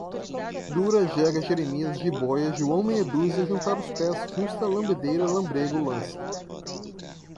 dura, jega, jeremias, jibóia, joão meia dúzia, juntar os pés, justa, lambedeira, lambrêgo, lança